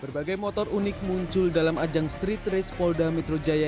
berbagai motor unik muncul dalam ajang street race polda metro jaya